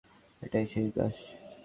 এটা সেই দাস!